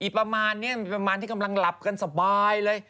ประมาณนี้ประมาณที่กำลังหลับกันสบายเลย